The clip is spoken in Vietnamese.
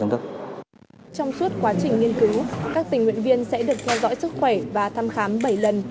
trong suốt quá trình nghiên cứu các tình nguyện viên sẽ được theo dõi sức khỏe và thăm khám bảy lần